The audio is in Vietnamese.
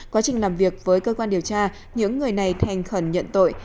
quá trình làm việc với cơ quan điều tra những người này thành khẩn nhận tội